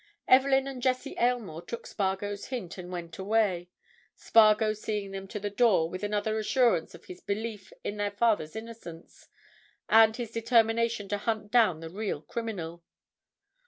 Evelyn and Jessie Aylmore took Spargo's hint and went away, Spargo seeing them to the door with another assurance of his belief in their father's innocence and his determination to hunt down the real criminal.